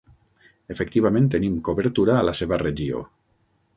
Efectivament tenim cobertura a la seva regió.